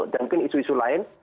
dan mungkin isu isu lain